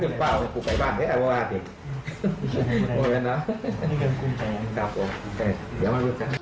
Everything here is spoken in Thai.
ครับผมเดี๋ยวมาดูกัน